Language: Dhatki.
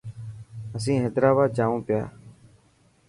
اسين حيدرآباد جائو پيا.